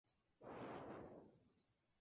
Actualmente juega para el Club Melilla Baloncesto.